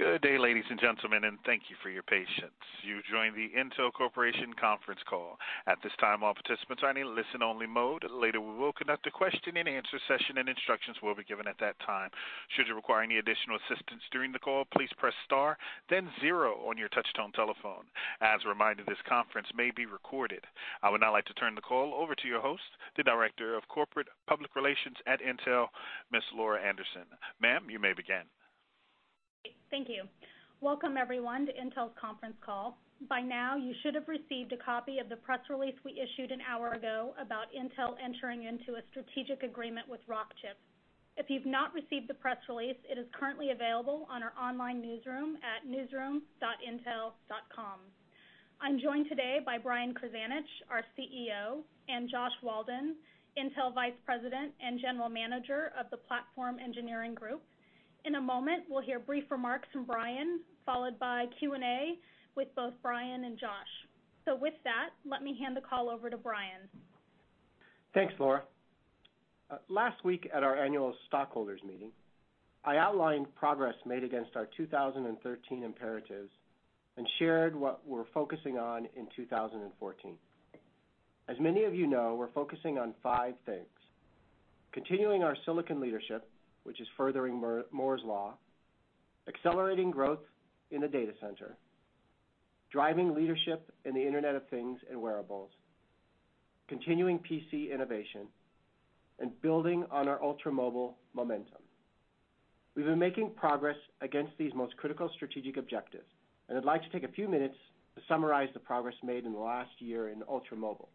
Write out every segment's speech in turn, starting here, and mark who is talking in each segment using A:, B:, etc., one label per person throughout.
A: Good day, ladies and gentlemen, and thank you for your patience. You've joined the Intel Corporation conference call. At this time, all participants are in a listen-only mode. Later, we will conduct a question-and-answer session, and instructions will be given at that time. Should you require any additional assistance during the call, please press star then 0 on your touch-tone telephone. As a reminder, this conference may be recorded. I would now like to turn the call over to your host, the Director of Corporate Public Relations at Intel, Ms. Laura Anderson. Ma'am, you may begin.
B: Great. Thank you. Welcome, everyone, to Intel's conference call. By now, you should have received a copy of the press release we issued an hour ago about Intel entering into a strategic agreement with Rockchip. If you've not received the press release, it is currently available on our online newsroom at newsroom.intel.com. I'm joined today by Brian Krzanich, our CEO, and Josh Walden, Intel Vice President and General Manager of the Platform Engineering Group. In a moment, we'll hear brief remarks from Brian, followed by Q&A with both Brian and Josh. With that, let me hand the call over to Brian.
C: Thanks, Laura. Last week at our annual stockholders meeting, I outlined progress made against our 2013 imperatives and shared what we're focusing on in 2014. As many of you know, we're focusing on five things: continuing our silicon leadership, which is furthering Moore's Law; accelerating growth in the data center; driving leadership in the Internet of Things and wearables; continuing PC innovation; and building on our ultra-mobile momentum. We've been making progress against these most critical strategic objectives, and I'd like to take a few minutes to summarize the progress made in the last year in ultra-mobile.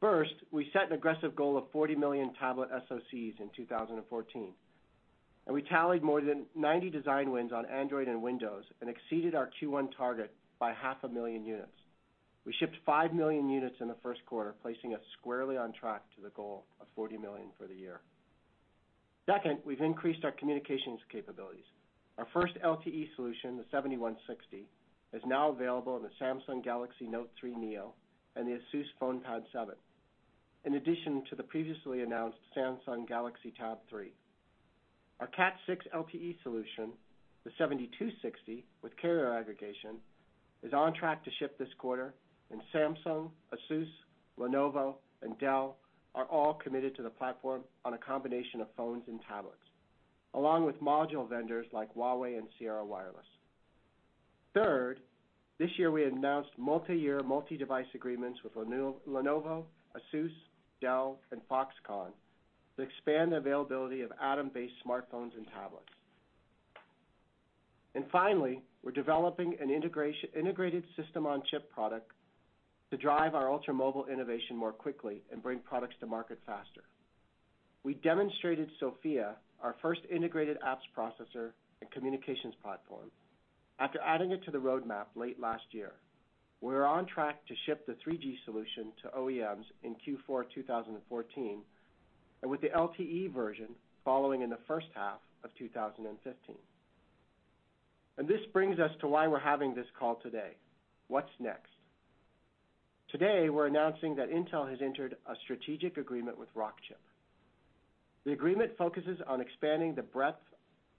C: First, we set an aggressive goal of 40 million tablet SoCs in 2014, and we tallied more than 90 design wins on Android and Windows and exceeded our Q1 target by half a million units. We shipped 5 million units in the first quarter, placing us squarely on track to the goal of 40 million for the year. Second, we've increased our communications capabilities. Our first LTE solution, the 7160, is now available in the Samsung Galaxy Note 3 Neo and the Asus Fonepad 7, in addition to the previously announced Samsung Galaxy Tab 3. Our Cat 6 LTE solution, the 7260, with carrier aggregation, is on track to ship this quarter, and Samsung, Asus, Lenovo, and Dell are all committed to the platform on a combination of phones and tablets, along with module vendors like Huawei and Sierra Wireless. Third, this year we announced multi-year, multi-device agreements with Lenovo, Asus, Dell, and Foxconn to expand the availability of Atom-based smartphones and tablets. Finally, we're developing an integrated system-on-chip product to drive our ultra-mobile innovation more quickly and bring products to market faster. We demonstrated SoFIA, our first integrated apps processor and communications platform, after adding it to the roadmap late last year. We're on track to ship the 3G solution to OEMs in Q4 2014, with the LTE version following in the first half of 2015. This brings us to why we're having this call today. What's next? Today, we're announcing that Intel has entered a strategic agreement with Rockchip. The agreement focuses on expanding the breadth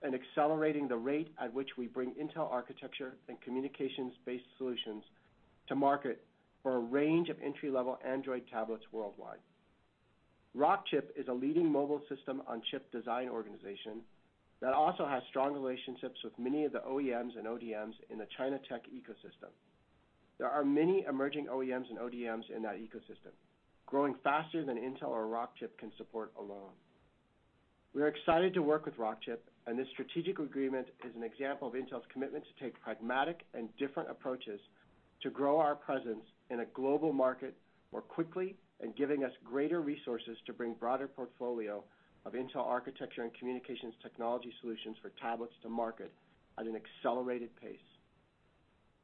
C: and accelerating the rate at which we bring Intel architecture and communications-based solutions to market for a range of entry-level Android tablets worldwide. Rockchip is a leading mobile system-on-chip design organization that also has strong relationships with many of the OEMs and ODMs in the China tech ecosystem. There are many emerging OEMs and ODMs in that ecosystem, growing faster than Intel or Rockchip can support alone. We are excited to work with Rockchip, this strategic agreement is an example of Intel's commitment to take pragmatic and different approaches to grow our presence in a global market more quickly and giving us greater resources to bring broader portfolio of Intel architecture and communications technology solutions for tablets to market at an accelerated pace.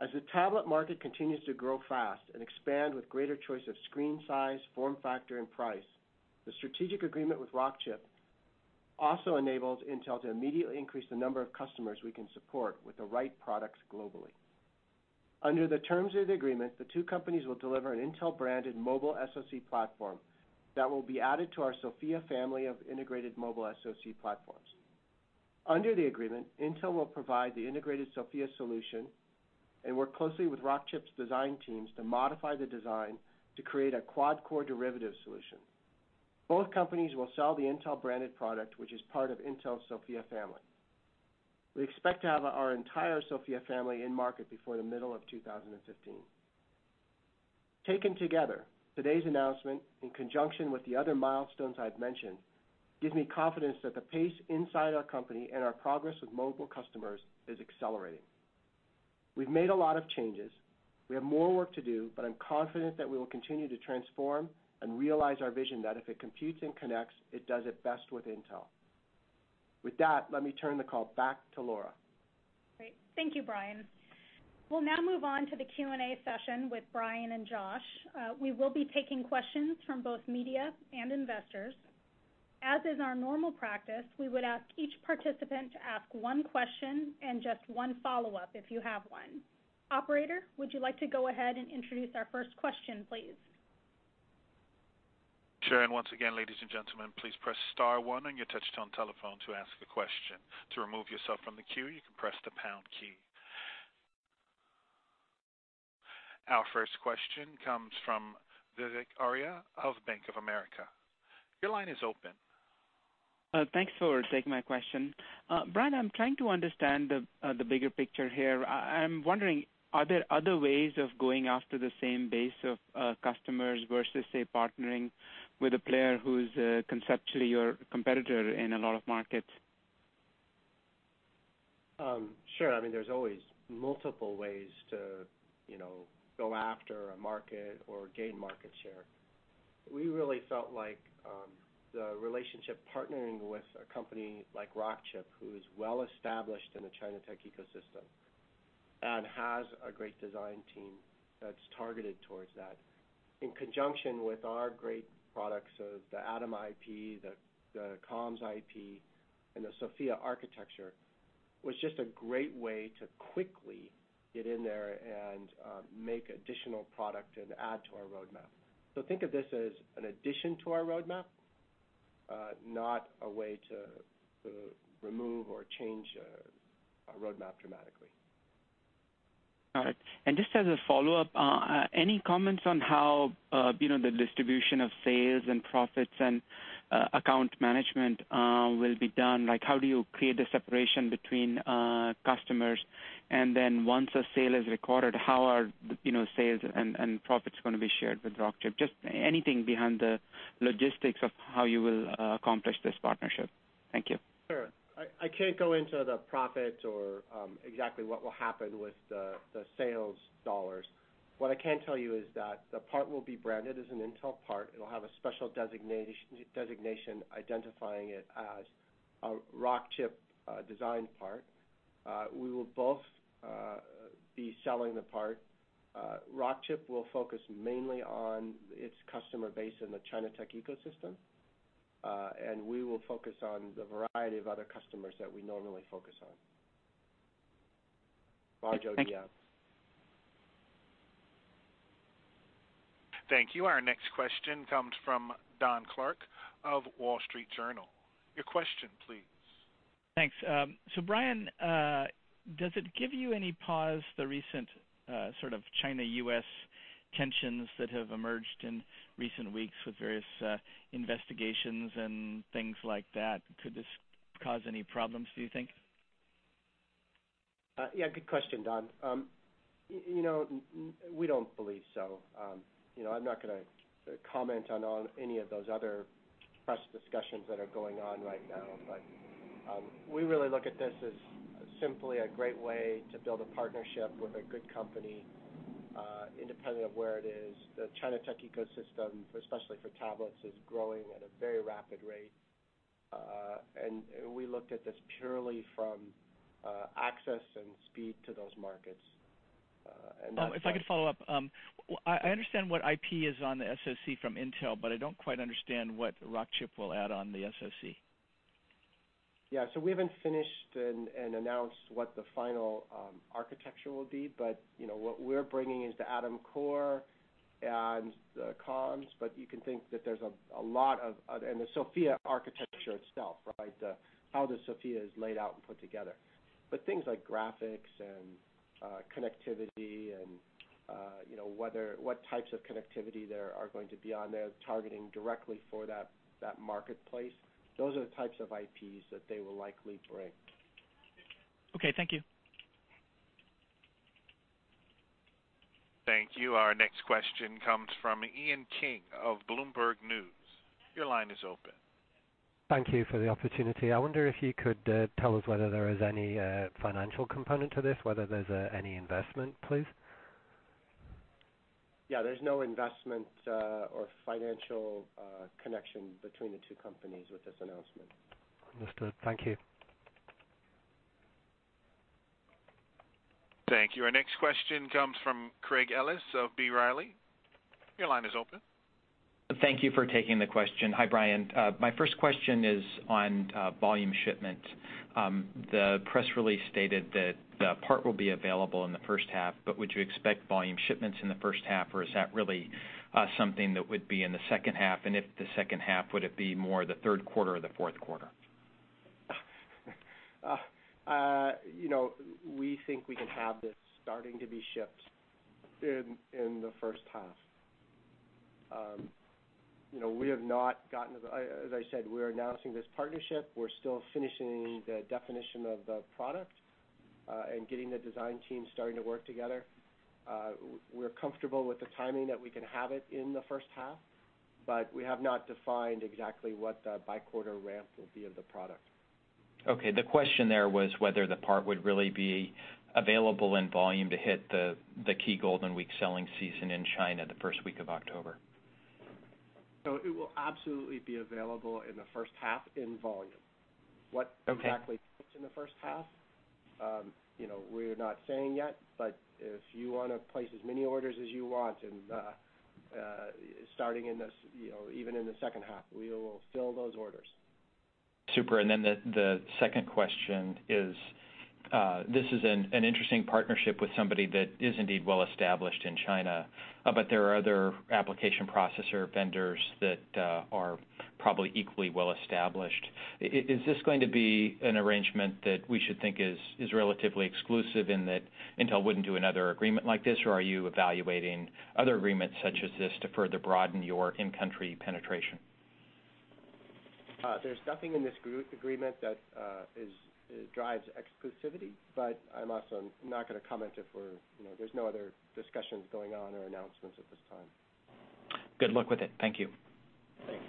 C: As the tablet market continues to grow fast and expand with greater choice of screen size, form factor, and price, the strategic agreement with Rockchip also enables Intel to immediately increase the number of customers we can support with the right products globally. Under the terms of the agreement, the two companies will deliver an Intel-branded mobile SoC platform that will be added to our SoFIA family of integrated mobile SoC platforms. Under the agreement, Intel will provide the integrated SoFIA solution and work closely with Rockchip's design teams to modify the design to create a quad-core derivative solution. Both companies will sell the Intel-branded product, which is part of Intel's SoFIA family. We expect to have our entire SoFIA family in market before the middle of 2015. Taken together, today's announcement, in conjunction with the other milestones I've mentioned, gives me confidence that the pace inside our company and our progress with mobile customers is accelerating. We've made a lot of changes. We have more work to do, I'm confident that we will continue to transform and realize our vision that if it computes and connects, it does it best with Intel. With that, let me turn the call back to Laura.
B: Great. Thank you, Brian. We'll now move on to the Q&A session with Brian and Josh. We will be taking questions from both media and investors. As is our normal practice, we would ask each participant to ask one question and just one follow-up if you have one. Operator, would you like to go ahead and introduce our first question, please?
A: Sure. Once again, ladies and gentlemen, please press star one on your touch-tone telephone to ask a question. To remove yourself from the queue, you can press the pound key. Our first question comes from Vivek Arya of Bank of America. Your line is open.
D: Thanks for taking my question. Brian, I'm trying to understand the bigger picture here. I'm wondering, are there other ways of going after the same base of customers versus, say, partnering with a player who's conceptually your competitor in a lot of markets?
C: Sure. There's always multiple ways to go after a market or gain market share. We really felt like the relationship partnering with a company like Rockchip, who is well-established in the China tech ecosystem and has a great design team that's targeted towards that, in conjunction with our great products, so the Atom IP, the comms IP, and the SoFIA architecture, was just a great way to quickly get in there and make additional product and add to our roadmap. Think of this as an addition to our roadmap, not a way to remove or change our roadmap dramatically.
D: All right. Just as a follow-up, any comments on how the distribution of sales and profits and account management will be done? How do you create the separation between customers and then once a sale is recorded, how are sales and profits going to be shared with Rockchip? Just anything behind the logistics of how you will accomplish this partnership. Thank you.
C: Sure. I can't go into the profit or exactly what will happen with the sales dollars. What I can tell you is that the part will be branded as an Intel part. It'll have a special designation identifying it as a Rockchip designed part. We will both be selling the part. Rockchip will focus mainly on its customer base in the China tech ecosystem, we will focus on the variety of other customers that we normally focus on.
D: Thanks.
A: Thank you. Our next question comes from Don Clark of Wall Street Journal. Your question, please.
E: Thanks. Brian, does it give you any pause, the recent sort of China-U.S. tensions that have emerged in recent weeks with various investigations and things like that? Could this cause any problems, do you think?
C: Yeah, good question, Don. We don't believe so. I'm not going to comment on any of those other press discussions that are going on right now, we really look at this as simply a great way to build a partnership with a good company, independent of where it is. The China tech ecosystem, especially for tablets, is growing at a very rapid rate. We looked at this purely from access and speed to those markets.
E: I understand what IP is on the SoC from Intel, I don't quite understand what Rockchip will add on the SoC.
C: Yeah. We haven't finished and announced what the final architecture will be, what we're bringing is the Atom core and the comms, you can think that there's a lot of and the SoFIA architecture itself, right? How the SoFIA is laid out and put together. Things like graphics and connectivity and what types of connectivity there are going to be on there, targeting directly for that marketplace. Those are the types of IPs that they will likely bring.
E: Okay, thank you.
A: Thank you. Our next question comes from Ian King of Bloomberg News. Your line is open.
F: Thank you for the opportunity. I wonder if you could tell us whether there is any financial component to this, whether there's any investment, please?
C: Yeah, there's no investment or financial connection between the two companies with this announcement.
F: Understood. Thank you.
A: Thank you. Our next question comes from Craig Ellis of B. Riley. Your line is open.
G: Thank you for taking the question. Hi, Brian. My first question is on volume shipment. The press release stated that the part will be available in the first half. Would you expect volume shipments in the first half, or is that really something that would be in the second half? If the second half, would it be more the third quarter or the fourth quarter?
C: We think we can have this starting to be shipped in the first half. As I said, we're announcing this partnership. We're still finishing the definition of the product, and getting the design team starting to work together. We're comfortable with the timing that we can have it in the first half, but we have not defined exactly what the by-quarter ramp will be of the product.
G: The question there was whether the part would really be available in volume to hit the key Golden Week selling season in China the first week of October.
C: It will absolutely be available in the first half in volume.
G: Okay.
C: What exactly fits in the first half, we're not saying yet. If you want to place as many orders as you want, and starting even in the second half, we will fill those orders.
G: Super. The second question is, this is an interesting partnership with somebody that is indeed well established in China. There are other application processor vendors that are probably equally well established. Is this going to be an arrangement that we should think is relatively exclusive in that Intel wouldn't do another agreement like this? Are you evaluating other agreements such as this to further broaden your in-country penetration?
C: There's nothing in this agreement that drives exclusivity. I'm also not going to comment if there's no other discussions going on or announcements at this time.
G: Good luck with it. Thank you.
C: Thanks.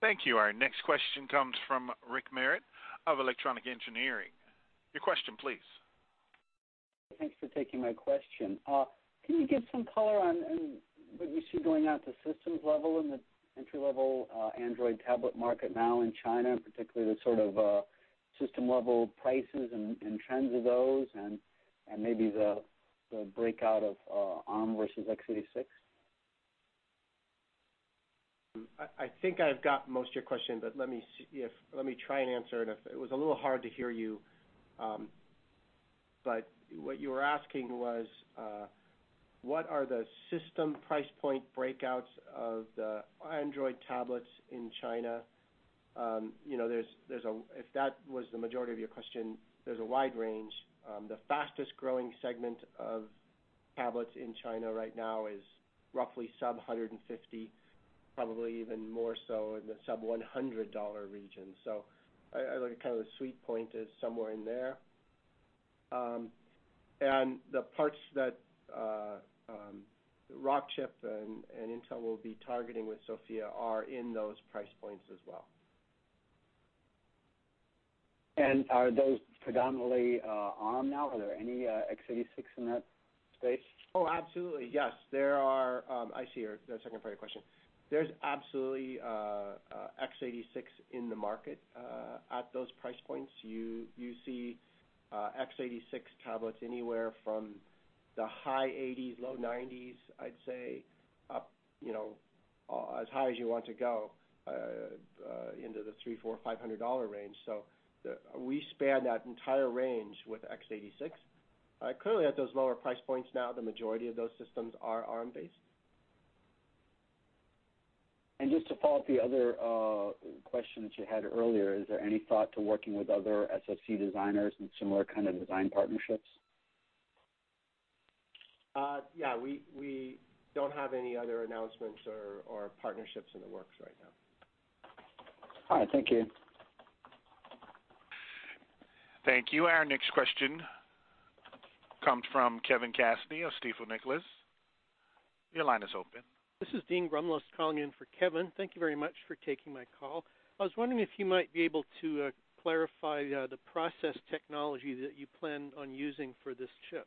A: Thank you. Our next question comes from Rick Merritt of EE Times. Your question, please.
H: Thanks for taking my question. Can you give some color on what you see going out to systems level in the entry-level Android tablet market now in China, particularly the sort of system level prices and trends of those and maybe the breakout of Arm versus x86?
C: I think I've got most of your question, but let me try and answer it. It was a little hard to hear you. What you were asking was, what are the system price point breakouts of the Android tablets in China? If that was the majority of your question, there's a wide range. The fastest-growing segment of tablets in China right now is roughly sub-$150, probably even more so in the sub-$100 region. I look at the sweet point is somewhere in there. The parts that Rockchip and Intel will be targeting with SoFIA are in those price points as well.
H: Are those predominantly Arm now? Are there any x86 in that space?
C: Oh, absolutely. Yes. I see your second part of your question. There's absolutely x86 in the market at those price points. You see x86 tablets anywhere from the high 80s, low 90s, I'd say, up as high as you want to go, into the $300, $400, $500 range. We span that entire range with x86. Clearly, at those lower price points now, the majority of those systems are Arm-based.
H: Just to follow up the other question that you had earlier, is there any thought to working with other SoC designers in similar kind of design partnerships?
C: Yeah. We don't have any other announcements or partnerships in the works right now.
H: All right. Thank you.
A: Thank you. Our next question comes from Kevin Cassidy of Stifel Nicolaus. Your line is open.
I: This is Dean Grumless calling in for Kevin. Thank you very much for taking my call. I was wondering if you might be able to clarify the process technology that you plan on using for this chip.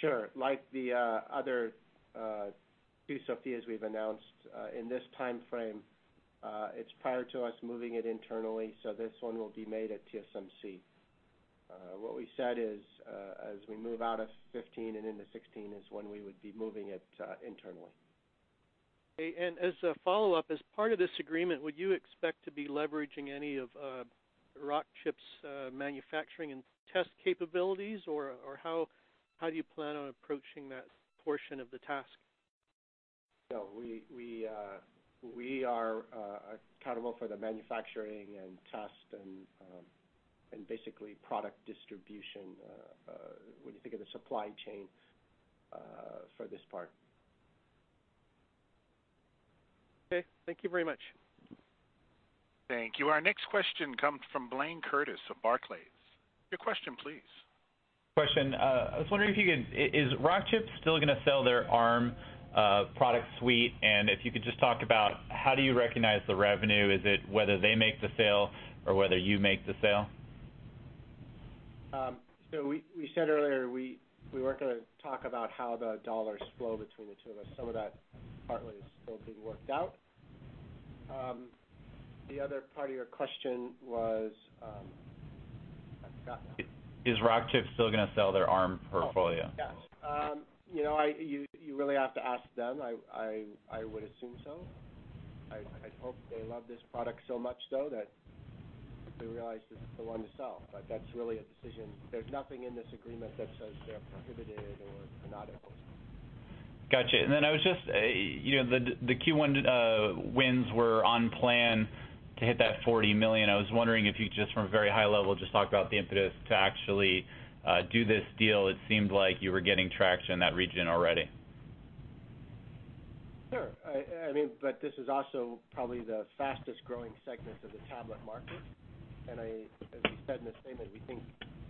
C: Sure. Like the other two SoFIAs we've announced, in this timeframe, it's prior to us moving it internally, so this one will be made at TSMC. What we said is, as we move out of 2015 and into 2016 is when we would be moving it internally.
I: Okay, as a follow-up, as part of this agreement, would you expect to be leveraging any of Rockchip's manufacturing and test capabilities, or how do you plan on approaching that portion of the task?
C: We are accountable for the manufacturing and test and basically product distribution, when you think of the supply chain, for this part.
I: Okay. Thank you very much.
A: Thank you. Our next question comes from Blayne Curtis of Barclays. Your question, please.
J: Question. I was wondering if you could, is Rockchip still going to sell their Arm product suite? If you could just talk about how do you recognize the revenue? Is it whether they make the sale or whether you make the sale?
C: We said earlier we weren't going to talk about how the dollars flow between the two of us. Some of that partly is still being worked out. The other part of your question was I forgot now.
J: Is Rockchip still going to sell their Arm portfolio?
C: Yes. You really have to ask them. I would assume so. I'd hope they love this product so much though that they realize this is the one to sell. That's really a decision. There's nothing in this agreement that says they're prohibited or not able to.
J: Gotcha. I was just, the Q1 wins were on plan to hit that $40 million. I was wondering if you could, just from a very high level, just talk about the impetus to actually do this deal. It seemed like you were getting traction in that region already.
C: Sure. This is also probably the fastest-growing segment of the tablet market. As we said in the statement, we think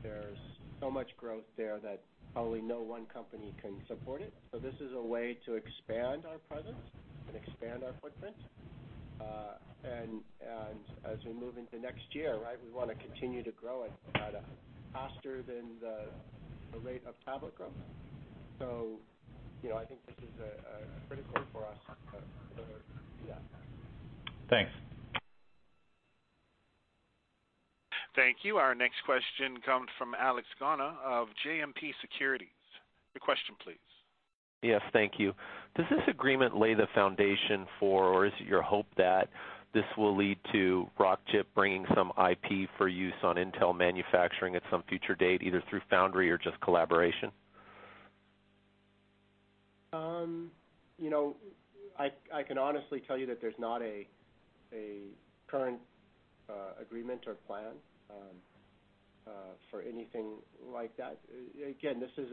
C: there's so much growth there that probably no one company can support it. This is a way to expand our presence and expand our footprint. As we move into next year, we want to continue to grow at a faster than the rate of tablet growth. I think this is critical for us to be able to do that.
J: Thanks.
A: Thank you. Our next question comes from Alex Gauna of JMP Securities. Your question, please.
K: Yes, thank you. Does this agreement lay the foundation for, or is it your hope that this will lead to Rockchip bringing some IP for use on Intel manufacturing at some future date, either through foundry or just collaboration?
C: I can honestly tell you that there's not a current agreement or plan for anything like that. Again, this is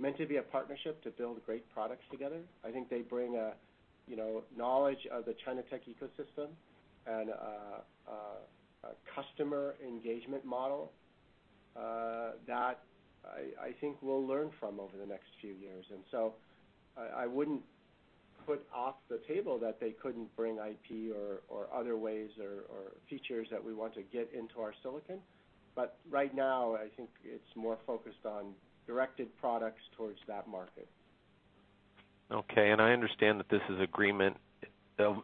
C: meant to be a partnership to build great products together. I think they bring knowledge of the China tech ecosystem and a customer engagement model that I think we'll learn from over the next few years. I wouldn't put off the table that they couldn't bring IP or other ways or features that we want to get into our silicon. Right now, I think it's more focused on directed products towards that market.
K: Okay, I understand that this is agreement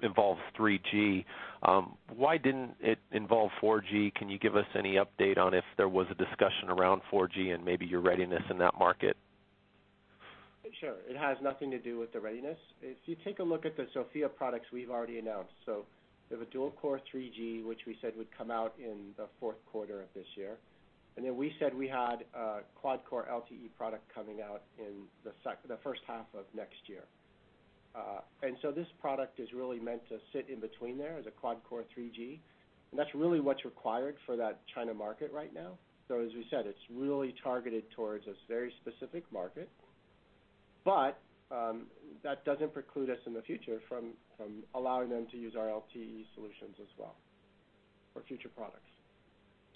K: involves 3G. Why didn't it involve 4G? Can you give us any update on if there was a discussion around 4G and maybe your readiness in that market?
C: Sure. It has nothing to do with the readiness. If you take a look at the SoFIA products we've already announced, we have a dual-core 3G, which we said would come out in the fourth quarter of this year. We said we had a quad-core LTE product coming out in the first half of next year. This product is really meant to sit in between there as a quad-core 3G, and that's really what's required for that China market right now. As we said, it's really targeted towards a very specific market, that doesn't preclude us in the future from allowing them to use our LTE solutions as well for future products.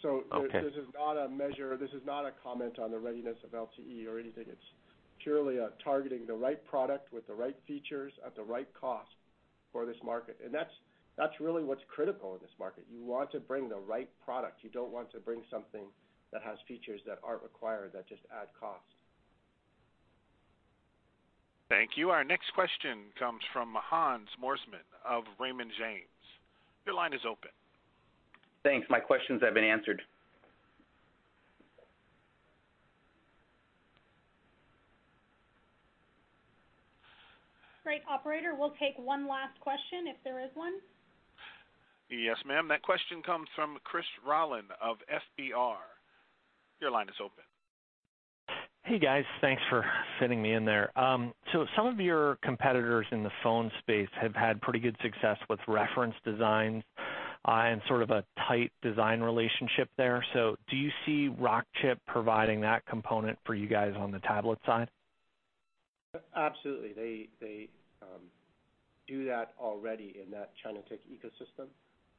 K: Okay.
C: This is not a comment on the readiness of LTE or anything. It's purely targeting the right product with the right features at the right cost for this market. That's really what's critical in this market. You want to bring the right product. You don't want to bring something that has features that aren't required, that just add cost.
A: Thank you. Our next question comes from Hans Mosesmann of Raymond James. Your line is open.
L: Thanks. My questions have been answered.
B: Great. Operator, we'll take one last question if there is one.
A: Yes, ma'am. That question comes from Chris Rolland of Susquehanna. Your line is open.
M: Hey, guys. Thanks for fitting me in there. Some of your competitors in the phone space have had pretty good success with reference designs and sort of a tight design relationship there. Do you see Rockchip providing that component for you guys on the tablet side?
C: Absolutely. They do that already in that China tech ecosystem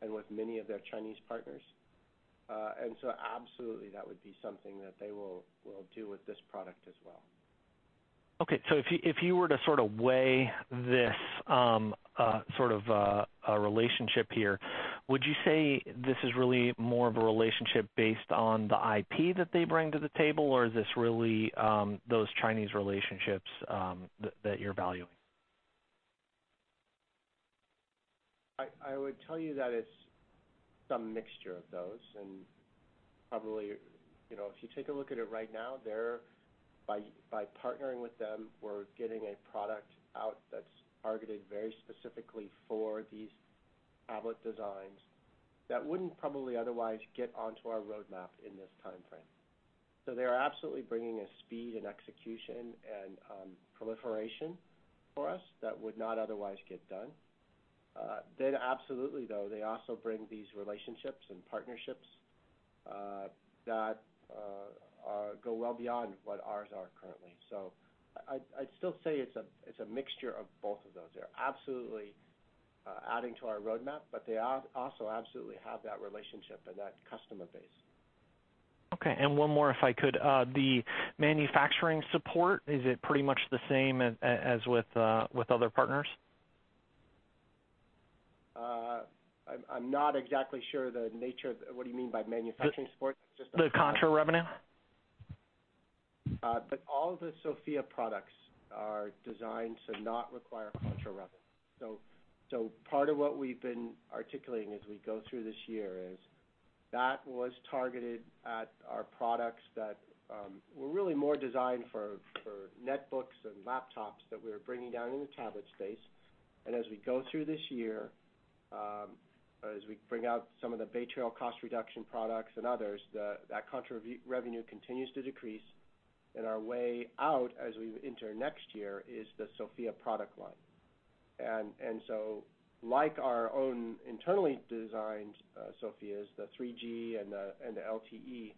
C: and with many of their Chinese partners. Absolutely, that would be something that they will do with this product as well.
M: Okay, if you were to sort of weigh this sort of relationship here, would you say this is really more of a relationship based on the IP that they bring to the table, or is this really those Chinese relationships that you're valuing?
C: I would tell you that it's some mixture of those, and probably, if you take a look at it right now, by partnering with them, we're getting a product out that's targeted very specifically for these tablet designs that wouldn't probably otherwise get onto our roadmap in this timeframe. They're absolutely bringing a speed and execution and proliferation for us that would not otherwise get done. Absolutely, though, they also bring these relationships and partnerships that go well beyond what ours are currently. I'd still say it's a mixture of both of those. They're absolutely adding to our roadmap, but they also absolutely have that relationship and that customer base.
M: Okay, one more, if I could. The manufacturing support, is it pretty much the same as with other partners?
C: I'm not exactly sure the nature of what do you mean by manufacturing support?
M: The contra revenue.
C: All the SoFIA products are designed to not require contra revenue. Part of what we've been articulating as we go through this year is that was targeted at our products that were really more designed for netbooks and laptops that we were bringing down in the tablet space. As we go through this year, as we bring out some of the Bay Trail cost reduction products and others, that contra revenue continues to decrease, and our way out as we enter next year is the SoFIA product line. Like our own internally designed SoFIAs, the 3G and the LTE,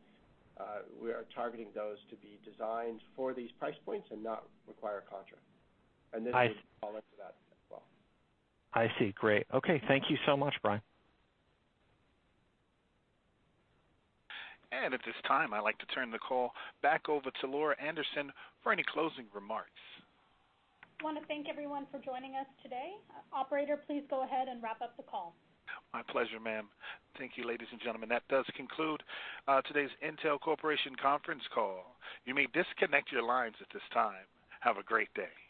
C: we are targeting those to be designed for these price points and not require a contra.
M: I see.
C: This is all up to that as well.
M: I see. Great. Okay. Thank you so much, Brian.
A: At this time, I'd like to turn the call back over to Laura Anderson for any closing remarks.
B: I want to thank everyone for joining us today. Operator, please go ahead and wrap up the call.
A: My pleasure, ma'am. Thank you, ladies and gentlemen. That does conclude today's Intel Corporation conference call. You may disconnect your lines at this time. Have a great day.